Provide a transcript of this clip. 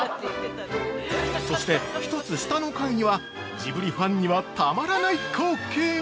◆そして、１つ下の階にはジブリファンにはたまらない光景が！